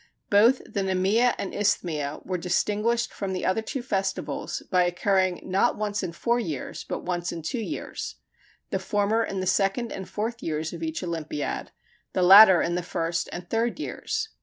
Both the Nemea and Isthmia were distinguished from the other two festivals by occurring not once in four years, but once in two years; the former in the second and fourth years of each Olympiad, the latter in the first and third years.